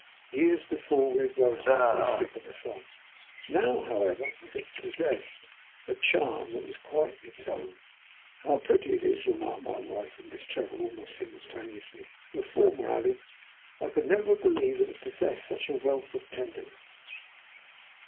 Years before we had grown heartily sick of the song, now however it possessed a charm that was quite its own. "How pretty it is," remarked my wife and Miss Trevor almost simultaneously. And the former added, "I could never have believed that it possessed such a wealth of tenderness."